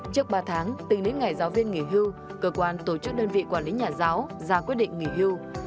trước ba tháng tính đến ngày giáo viên nghỉ hưu cơ quan tổ chức đơn vị quản lý nhà giáo ra quyết định nghỉ hưu